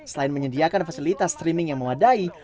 selain menyediakan fasilitas streaming yang memadai